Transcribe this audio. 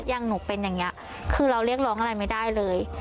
อย่างหนูเป็นอย่างนี้คือเราเรียกร้องอะไรไม่ได้เลย